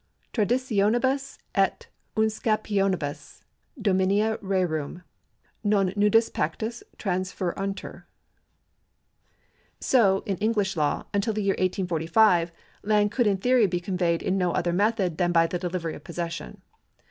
Traditionibus et usucajnmii bus dominia rerum, non nudis iMCtis transferuntur } So in English law, until the year 1845, land could in theory be conveyed in no other method than by the delivery of possession.